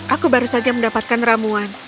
aku baru saja mendapatkan ramuan